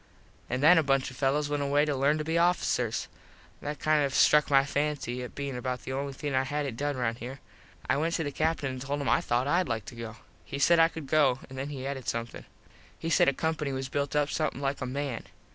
An then a bunch of fellos went away to lern to be officers. That kind of struck my fancy it bein about the only thing I hadnt done round here. I went to the Captin an told him I thought Id go to. He said I could go to, and then he added somethin. [Illustration: "IT SEEMED TO DEPRES THEM AWFUL"] He said a company was built up somethin like a man.